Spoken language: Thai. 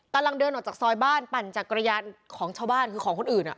กำลังเดินออกแล้วจากซอยบ้านปั่นจากกระยานของเจ้าบ้านคือคนอื่น